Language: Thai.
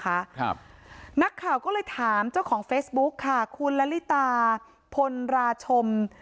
ครับนักข่าวก็เลยถามเจ้าของเฟซบุ๊คค่ะคุณละลิตาพลราชม